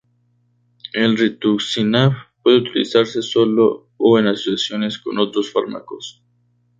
El rituximab puede utilizarse solo o en asociación con otros fármacos.